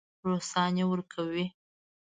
روسان یې ورکوي.